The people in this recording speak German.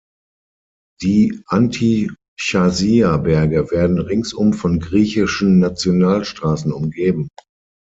Die Antichasia-Berge werden ringsum von griechischen Nationalstraßen umgeben.